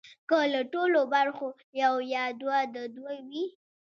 که له ټولو برخو یو یا دوه د دوی وي